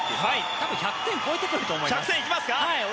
多分１００点超えてくると思います。